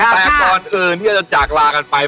แต่ก่อนอื่นที่เราจะจากลากันไป